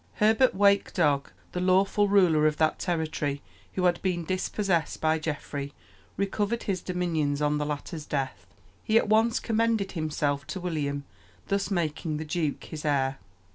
Herbert Wake Dog, the lawful ruler of that territory, who had been dispossessed by Geoffrey, recovered his dominions on the latter's death. He at once "commended" himself to William, thus making the duke his heir.